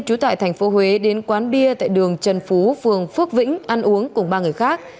trú tại thành phố huế đến quán bia tại đường trần phú phường phước vĩnh ăn uống cùng ba người khác